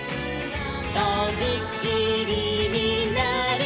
「とびきりになるぞ」